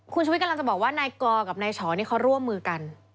คุณชุวิตกำลังจะบอกว่านายกอกับนายฉอนี่เขาร่วมมือกัน